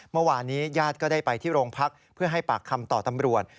เมื่อวานนี้ญาติก็ได้ไปที่โรงพักเพื่อให้ปากคำต่อตำรวจ